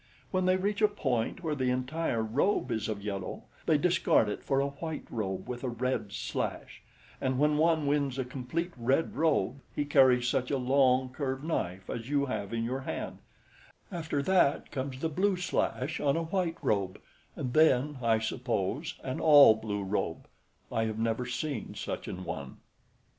When they reach a point where the entire robe is of yellow, they discard it for a white robe with a red slash; and when one wins a complete red robe, he carries such a long, curved knife as you have in your hand; after that comes the blue slash on a white robe, and then, I suppose, an all blue robe. I have never seen such a one."